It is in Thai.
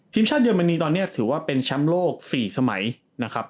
ทีมชาติเยอรมนีตอนนี้ถือว่าเป็นแชมป์โลก๔สมัยนะครับ